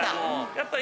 やっぱり。